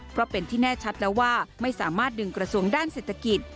เพราะเป็นที่แน่ชัดแล้วว่าไม่สามารถดึงกระทรวงด้านเศรษฐกิจ